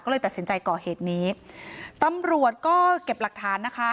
ก็เลยตัดสินใจก่อเหตุนี้ตำรวจก็เก็บหลักฐานนะคะ